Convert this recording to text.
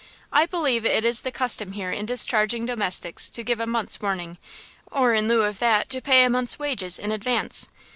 "I believe it is the custom here in discharging domestics to give a month's warning, or in lieu of that, to pay a month's wages in advance.